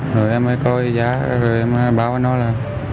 rồi em mới coi giá rồi em mới báo nó là